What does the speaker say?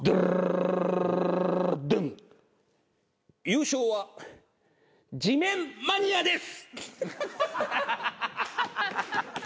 優勝は地面マニアです。